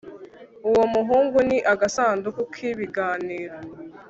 uwo muhungu ni agasanduku k'ibiganiro